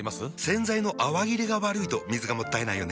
洗剤の泡切れが悪いと水がもったいないよね。